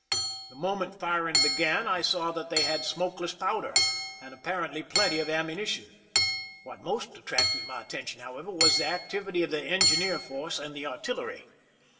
The moment firing began I saw that they had smokeless powder and apparently plenty of am munition. What most attracted my attention, however, was the activity of the engineer force and the artillery.